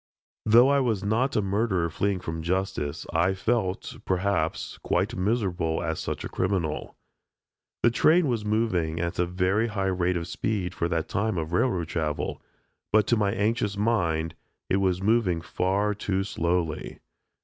Though I was not a murderer fleeing from justice, I felt, perhaps, quite miserable as such a criminal. The train was moving at a very high rate of speed for that time of railroad travel, but to my anxious mind, it was moving far too slowly.